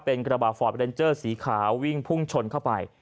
เป็นกระบาดฟอร์ดเรนเจอร์สีขาววิ่งพุ่งชนเข้าไป